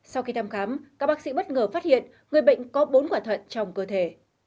sau khi thăm khám các bác sĩ bất ngờ phát hiện người bệnh có bốn quả thận trong cơ thể